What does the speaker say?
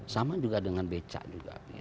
sama juga dengan becak juga